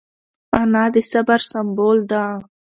انا د صبر سمبول ده